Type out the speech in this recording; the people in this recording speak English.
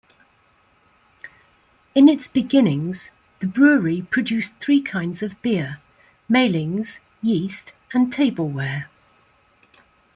In its beginnings, the brewery produced three kinds of beer: mailings, yeast and tableware.